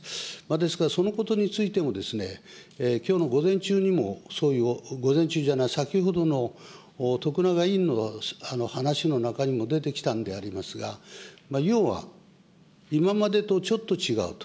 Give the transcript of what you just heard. ですから、そのことについても、きょうの午前中にも、そういう、午前中じゃない、先ほどの徳永委員の話の中にも出てきたんでありますが、要は今までとちょっと違うと。